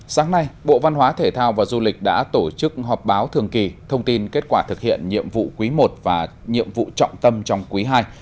sáng nay bộ văn hóa thể thao và du lịch đã tổ chức họp báo thường kỳ thông tin kết quả thực hiện nhiệm vụ quý i và nhiệm vụ trọng tâm trong quý ii